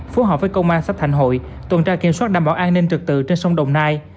phối hợp với công an sắp thành hội tuần tra kiểm soát đảm bảo an ninh trực tự trên sông đồng nai